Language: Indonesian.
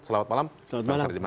selamat malam pak ferdinand